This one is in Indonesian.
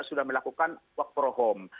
sudah melakukan work from home